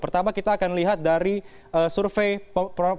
pertama kita akan lihat dari survei